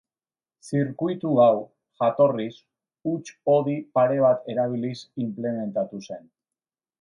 Zirkuitu hau, jatorriz, huts-hodi pare bat erabiliz inplementatu zen.